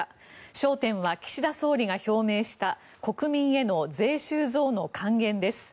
焦点は岸田総理が表明した国民への税収増の還元です。